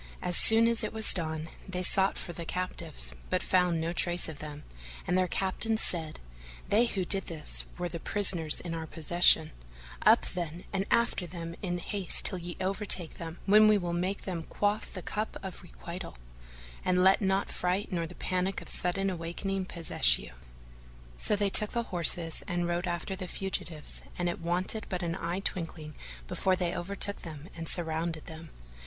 As soon as it was dawn, they sought for the captives, but found no trace of them, and their captains said, "They who did this were the prisoners in our possession; up, then, and after them in all haste till ye overtake them, when we will make them quaff the cup of requital; and let not fright nor the panic of sudden awaking possess you." So they took horse and rode after the fugitives and it wanted but an eye twinkling before they overtook them; and surrounded them.